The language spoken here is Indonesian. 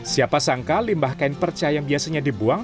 siapa sangka limbah kain perca yang biasanya dibuang